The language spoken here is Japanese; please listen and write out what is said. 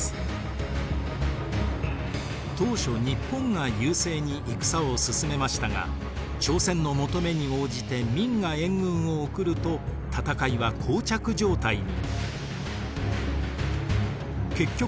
当初日本が優勢に戦を進めましたが朝鮮の求めに応じて明が援軍を送ると戦いはこう着状態に。